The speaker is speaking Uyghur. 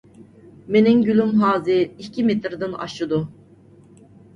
مېنىڭ گۈلۈم ھازىر ئىككى مېتىردىن ئاشىدۇ.